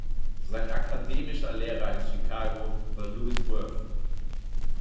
Sein akademischer Lehrer in Chicago war Louis Wirth.